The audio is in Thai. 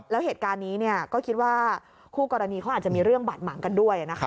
แล้วเหตุการณ์นี้ก็คิดว่าคู่กรณีเขาอาจจะมีเรื่องบาดหมางกันด้วย